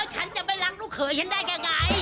แล้วฉันจะไปรักลูกเขยฉันได้แก่ไง